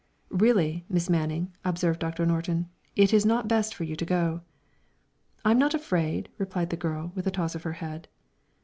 "Really, Miss Manning," observed Doctor Norton, "it is not best for you to go." "I'm not afraid," replied the girl, with a toss of her head.